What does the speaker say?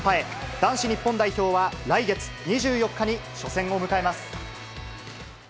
男子日本代表は来月２４日に初戦を迎えます。